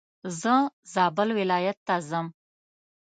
زه زابل ولايت ته ځم.